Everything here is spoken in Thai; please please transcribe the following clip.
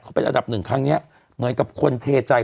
เขาเป็นอันดับหนึ่งครั้งนี้เหมือนกับคนเทใจ